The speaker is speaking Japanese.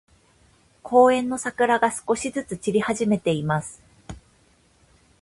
公園の桜が、少しずつ散り始めています。